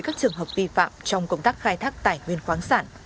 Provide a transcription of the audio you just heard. các trường hợp vi phạm trong công tác khai thác tài nguyên khoáng sản